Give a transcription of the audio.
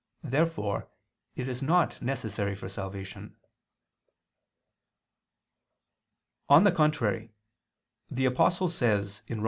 Therefore it is not necessary for salvation. On the contrary, The Apostle says (Rom.